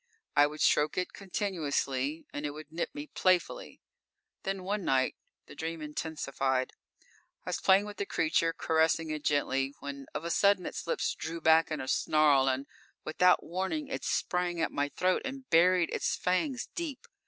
I would stroke it continuously and it would nip me playfully. Then, one night the dream intensified: I was playing with the creature, caressing it gently, when of a sudden its lips drew back in a snarl, and without warning it sprang at my throat and buried its fangs deep!